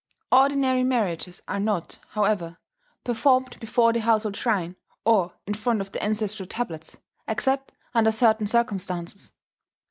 Ordinary marriages are not, however, performed before the household shrine or in front of the ancestral tablets, except under certain circumstances.